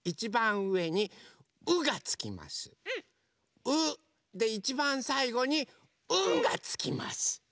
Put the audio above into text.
「う」でいちばんさいごに「ん」がつきます。